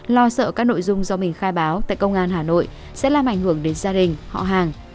lo sợ các nội dung do mình khai báo tại công an hà nội sẽ làm ảnh hưởng đến gia đình họ hàng